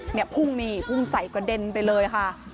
เนี่ยพุ่งนี่พุ่งใส่กระเด็นไปเลยค่ะ